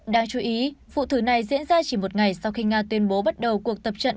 đáng chú ý vụ thử này diễn ra chỉ một ngày sau khi nga tuyên bố bắt đầu cuộc tập trận